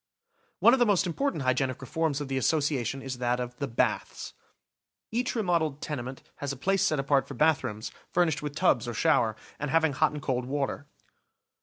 One of the most important hygienic reforms of the As sociation is that of the baths. Each remodeled tenement has a place set apart for bathrooms, furnished with tubs or shower, and having hot and cold water.